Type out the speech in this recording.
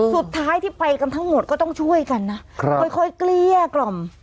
สุดท้ายที่ไปกันทั้งหมดก็ต้องช่วยกันนะค่อยเกลี้ยกล่อม